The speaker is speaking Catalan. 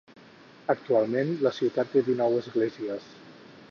Actualment, la ciutat té dinou esglésies.